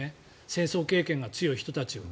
戦争経験が強い人たちは。